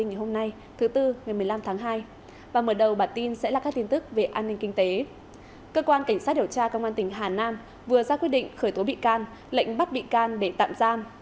ngày một mươi năm tháng hai cơ quan cảnh sát điều tra công an tỉnh hà nam đã ra quyết định khởi tối bị can lệnh bắt bị can để tạm giam